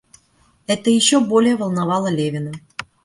Это еще более волновало Левина.